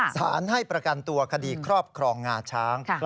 สารให้ประกันตัวคดีครอบครองงาช้าง